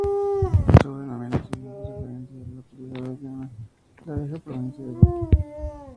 Su denominación hace referencia a la localidad de Orellana la Vieja, provincia de Badajoz.